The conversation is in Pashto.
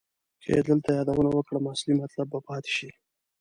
که یې دلته یادونه وکړم اصلي مطلب به پاتې شي.